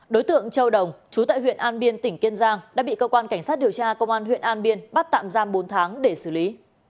đối tượng châu đồng chú tại huyện an biên tỉnh kiên giang đã bị cơ quan cảnh sát điều tra công an huyện an biên bắt tạm giam bốn tháng để xử lý